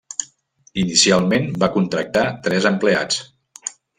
Inicialment va contractar tres empleats.